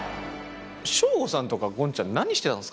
彰悟さんとかゴンちゃん何してたんすか？